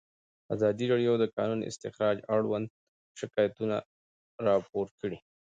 ازادي راډیو د د کانونو استخراج اړوند شکایتونه راپور کړي.